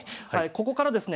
ここからですね